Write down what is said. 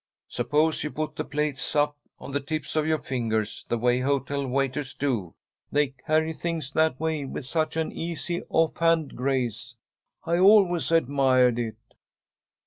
Suppose you put the plates up on the tips of your fingers, the way hotel waiters do. They carry things that way with such an easy offhand grace. I always admired it."